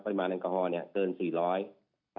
ปริมาณแอลกอฮอล์เนี่ยเกิน๔๐๐มิลลิกรัม